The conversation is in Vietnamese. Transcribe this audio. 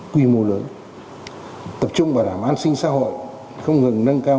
quy mô lớn tập trung vào làm an sinh xã hội không ngừng nâng cao